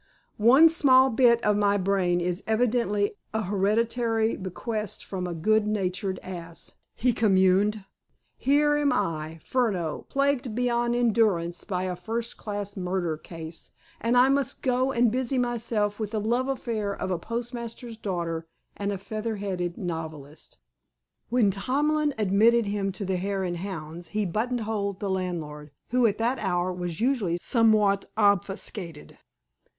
"One small bit of my brain is evidently a hereditary bequest from a good natured ass!" he communed. "Here am I, Furneaux, plagued beyond endurance by a first class murder case, and I must go and busy myself with the love affair of a postmaster's daughter and a feather headed novelist!" When Tomlin admitted him to the Hare and Hounds, he buttonholed the landlord, who, at that hour, was usually somewhat obfuscated.